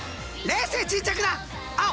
冷静沈着な青！